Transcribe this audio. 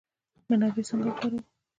منابع څنګه وکاروو؟